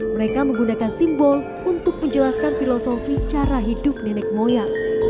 mereka menggunakan simbol untuk menjelaskan filosofi cara hidup nenek moyang